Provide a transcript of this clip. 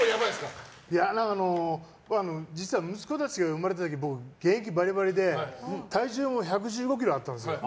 実は息子たちが生まれた時僕、現役バリバリで体重も１１５ｋｇあったんですよ。